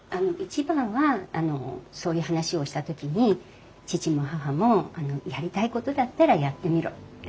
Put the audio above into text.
一番はそういう話をした時に義父も義母もやりたいことだったらやってみろって。